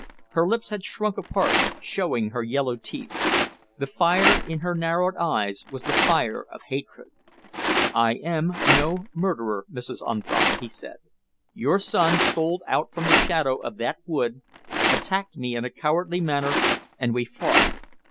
Her lips had shrunk apart, showing her yellow teeth. The fire in her narrowed eyes was the fire of hatred. "I am no murderer, Mrs. Unthank," he said. "Your son stole out from the shadow of that wood, attacked me in a cowardly manner, and we fought.